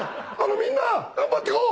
みんな頑張ってこう！